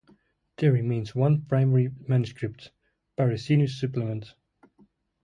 There remains one primary manuscript, Parisinus suppl.